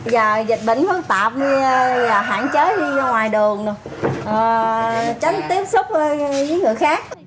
giờ dịch bệnh phân tạp hạn chế đi ra ngoài đường tránh tiếp xúc